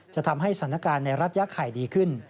จะทำให้สถานการณ์ในรัฐยาไข่ดีขึ้น